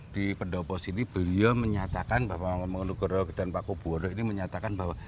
di pendopo sini beliau menyatakan bahwa mengonegoro dan paku buwono ini menyatakan bahwa